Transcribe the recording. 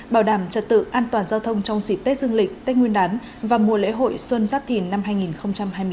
bảo đảm trật tự an toàn giao thông trong dịp tết dương lịch tết nguyên đán và mùa lễ hội xuân giáp thìn năm hai nghìn hai mươi bốn